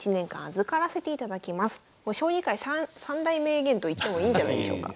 将棋界三大名言といってもいいんじゃないでしょうか。